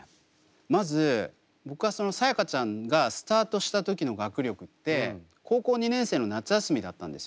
まず僕はそのさやかちゃんがスタートした時の学力って高校２年生の夏休みだったんですよ。